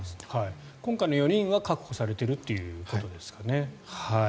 今回の４人は確保されているということですかね。